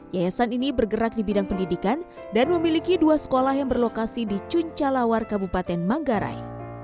yayasan ini bergerak di bidang pendidikan dan memiliki dua sekolah yang berlokasi di cuncalawar kabupaten manggarai